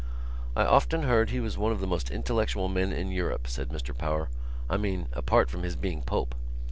"I often heard he was one of the most intellectual men in Europe," said Mr Power. "I mean, apart from his being Pope."